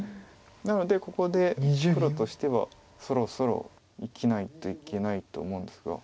なのでここで黒としてはそろそろ生きないといけないと思うんですけど。